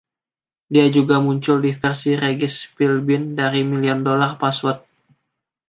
Dia juga muncul di versi Regis Philbin dari "Million Dollar Password".